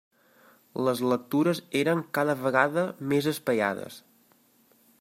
Les lectures eren cada vegada més espaiades.